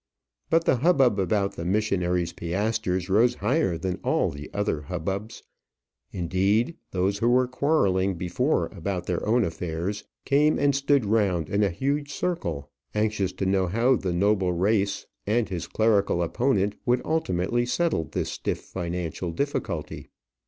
But the hubbub about the missionary's piastres rose higher than all the other hubbubs. Indeed, those who were quarrelling before about their own affairs came and stood round in a huge circle, anxious to know how the noble reis and his clerical opponent would ultimately settle this stiff financial difficulty.